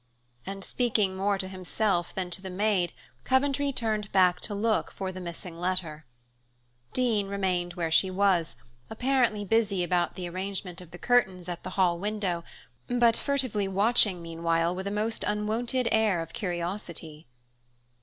And speaking more to himself than to the maid, Coventry turned back to look for the missing letter. Dean remained where she was, apparently busy about the arrangement of the curtains at the hall window, but furtively watching meanwhile with a most unwonted air of curiosity.